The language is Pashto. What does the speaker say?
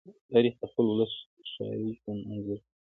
تاریخ د خپل ولس د ښاري ژوند انځور دی.